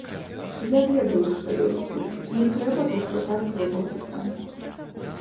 Я ведаю, што ёсць спіс, не трэба тут шукаць глыбокі сэнс.